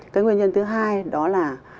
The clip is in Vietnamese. cái nguyên nhân thứ hai đó là